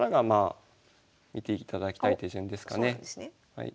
はい。